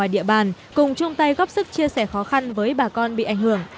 địa bàn cùng chung tay góp sức chia sẻ khó khăn với bà con bị ảnh hưởng